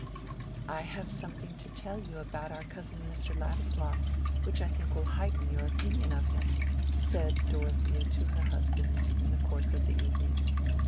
"I have something to tell you about our cousin Mr. Ladislaw, which I think will heighten your opinion of him," said Dorothea to her husband in the course of the evening.